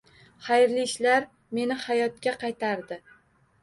“Xayrli ishlar meni hayotga qaytardi”